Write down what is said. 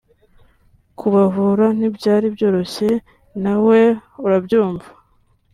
kubavura ntibyari byoroshye na we urabyumva